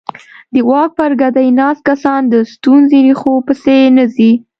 د واک پر ګدۍ ناست کسان د ستونزې ریښو پسې نه ځي.